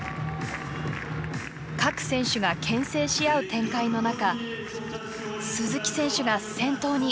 各選手がけん制し合う展開の中鈴木選手が先頭に。